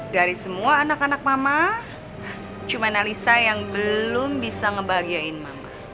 dari semua anak anak mama cuma nalisa yang belum bisa ngebahagiain mama